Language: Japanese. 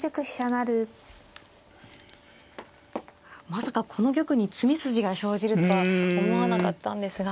まさかこの玉に詰み筋が生じるとは思わなかったんですが。